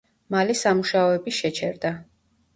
მალე სამუშაოები შეჩერდა.